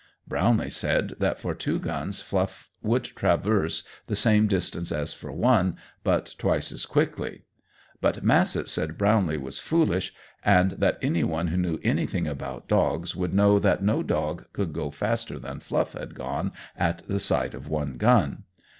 Brownlee said that for two guns Fluff would traverse the same distance as for one, but twice as quickly; but Massett said Brownlee was foolish, and that anyone who knew anything about dogs would know that no dog could go faster than Fluff had gone at the sight of one gun.